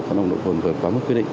có nồng độ hồn vượt qua mức quy định